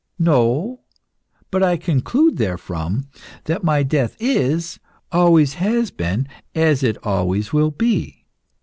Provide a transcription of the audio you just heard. No, but I conclude therefrom that my death is, always has been, as it always will be.